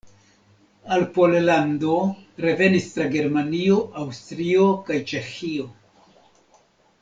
Al Pollando revenis tra Germanio, Aŭstrio kaj Ĉeĥio.